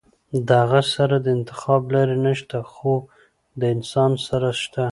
د هغه سره د انتخاب لارې نشته خو د انسان سره شته -